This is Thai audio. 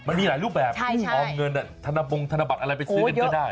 มันมีหลายรูปแบบออมเงินธนบงธนบัตรอะไรไปซื้อกันก็ได้